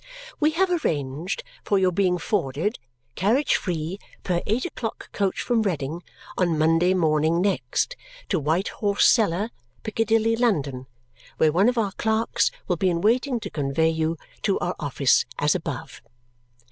We have arrngd for your being forded, carriage free, pr eight o'clock coach from Reading, on Monday morning next, to White Horse Cellar, Piccadilly, London, where one of our clks will be in waiting to convey you to our offe as above.